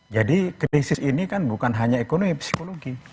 jadi krisis ini kan bukan hanya ekonomi psikologi